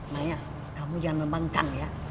naya kamu jangan membangkang ya